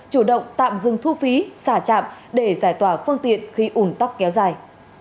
chủ động tạm dừng thu phí xả chạm để giải tỏa phương tiện khi ủn tóc kéo dài